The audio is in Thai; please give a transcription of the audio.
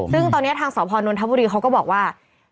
ซึ่งตอนนี้ทางสพนนทบุรีเขาก็บอกว่า